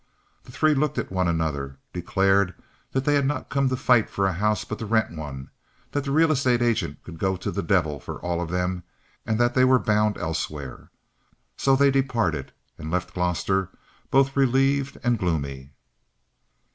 The three looked at one another, declared that they had not come to fight for a house but to rent one, that the real estate agent could go to the devil for all of them, and that they were bound elsewhere. So they departed and left Gloster both relieved and gloomy.